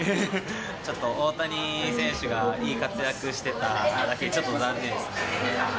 ちょっと、大谷選手がいい活躍してただけにちょっと残念ですね。